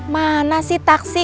mana sih taksi